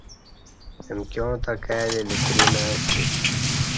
امکیان تہ کائی دی لتری نہ اسی